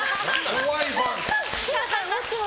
怖いファン。